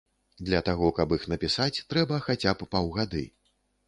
Для таго, каб іх напісаць, трэба хаця б паўгады.